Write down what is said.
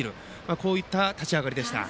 そういった立ち上がりでした。